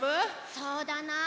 そうだな。